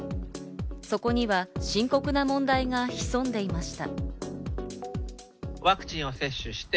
そこには深刻な問題が潜んでいました。